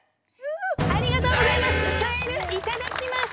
ありがとうございます！